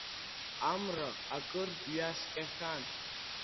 Амра акыр иҩаскьахьан.